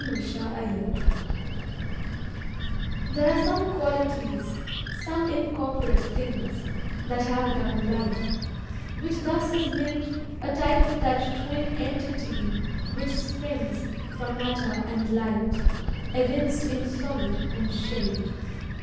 SONNET SILENCE There are some qualities some incorporate things, That have a double life, which thus is made A type of that twin entity which springs From matter and light, evinced in solid and shade.